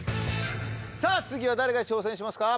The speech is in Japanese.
さぁ次は誰が挑戦しますか？